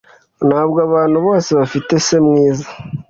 Ntabwo abantu bose bafite se mwiza